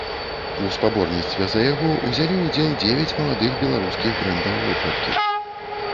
У спаборніцтве за яго ўзялі ўдзел дзевяць маладых беларускіх брэндаў вопраткі.